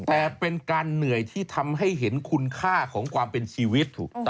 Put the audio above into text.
แต่เป็นการเหนื่อยที่ทำให้เห็นคุณค่าของความเป็นชีวิตถูกต้อง